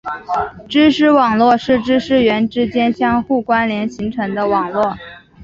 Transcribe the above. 知识网络是知识元之间相互关联形成的网络。